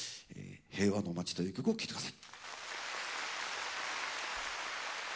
「平和の街」という曲を聴いて下さい。